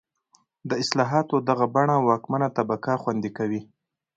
د اصلاحاتو دغه بڼه واکمنه طبقه خوندي کوي.